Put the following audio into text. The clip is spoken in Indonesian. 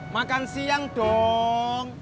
makan siang dong